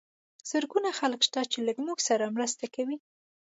زرګونه خلک شته چې له موږ سره مرسته کوي.